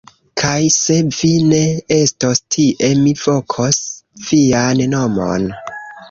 Kaj se vi ne estos tie, mi vokos vian nomon!